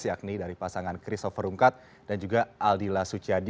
yakni dari pasangan chris soferungkat dan juga aldila suchadi